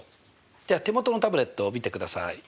では手元のタブレットを見てください。